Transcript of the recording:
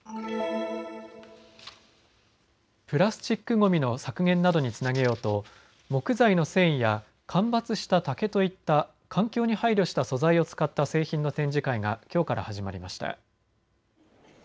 プラスチックごみの削減などにつなげようと木材の繊維や間伐した竹といった環境に配慮した素材を使った製品の展示会がきょうから始まりました。